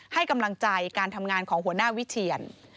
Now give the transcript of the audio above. ให้กำลังใจการทำงานของหัวหน้าวิเชียน